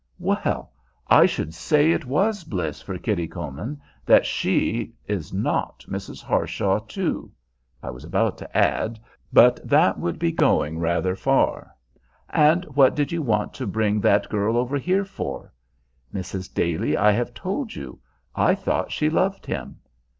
"Well, I should say it was 'Bliss' for Kitty Comyn that she is not Mrs. Harshaw too," I was about to add, but that would be going rather far. "And what did you want to bring that girl over here for?" "Mrs. Daly, I have told you, I thought she loved him."